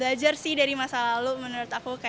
belajar sih dari masa lalu menurut aku